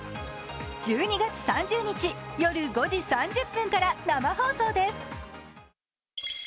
１２月３０日、夜５時３０分から生放送です。